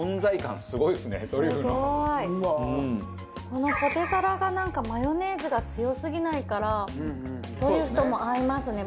このポテサラがなんかマヨネーズが強すぎないからトリュフとも合いますね。